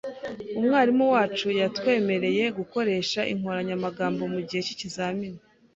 Umwarimu wacu yatwemereye gukoresha inkoranyamagambo mugihe cyizamini.